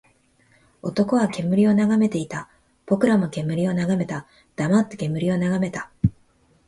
男は煙を眺めていた。僕らも煙を眺めた。黙って煙を眺めた。